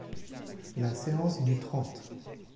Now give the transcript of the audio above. La séance du trente.